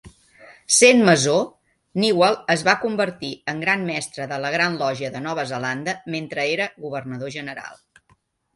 Sent maçó, Newall es va convertir en Gran Mestre de la Gran Lògia de Nova Zelanda mentre era Governador General.